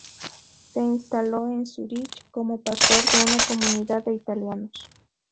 Se instaló en Zúrich como pastor de una comunidad de italianos.